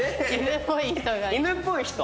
犬っぽい人が。